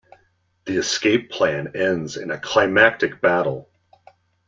The escape plan ends in a climactic battle.